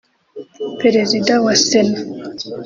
Perezida wa Sena